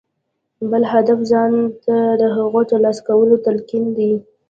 بل هدف ځان ته د هغو د ترلاسه کولو تلقين دی.